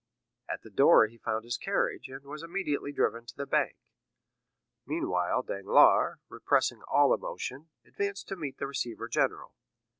At the door he found his carriage, and was immediately driven to the bank. Meanwhile Danglars, repressing all emotion, advanced to meet the receiver general.